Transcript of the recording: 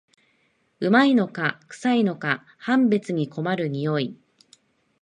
旨いのかくさいのか判別に困る匂い